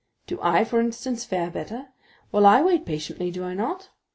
Do I, for instance, fare better? Well, I wait patiently, do I not?"